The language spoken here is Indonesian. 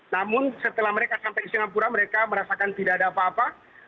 namun setelah mereka sampai ke singapura mereka merasakan tidak ada apa apa